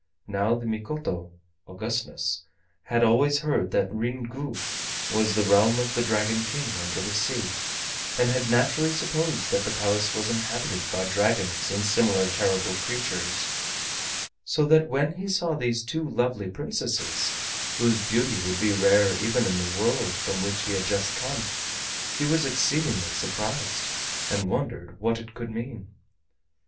Now the Mikoto (Augustness) had always heard that Ryn Gu was the realm of the Dragon King under the Sea, and had naturally supposed that the place was inhabited by dragons and similar terrible creatures, so that when he saw these two lovely princesses, whose beauty would be rare even in the world from which he had just come, he was exceedingly surprised, and wondered what it could mean.